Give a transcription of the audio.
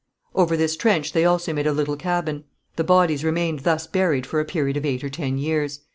Over this trench they also made a little cabin. The bodies remained thus buried for a period of eight or ten years.